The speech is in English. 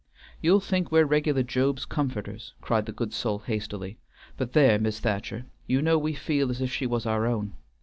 "You'll think we're reg'lar Job's comforters," cried the good soul hastily, "but there, Mis' Thacher, you know we feel as if she was our own.